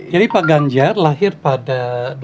jadi pak ganjar lahir pada